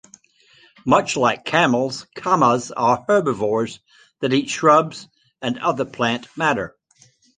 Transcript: Much like camels, camas are herbivores that eat shrubs and other plant matter.